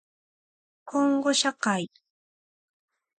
こんごしゃかい